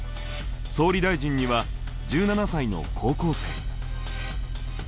総理大臣には１７才の高校生。